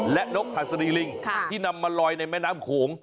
และนกหัสดีลิงที่นำมาลอยในแม่น้ำโขง